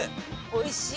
おいしい。